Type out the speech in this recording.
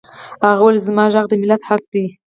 هغه وویل زما غږ د ملت حق دی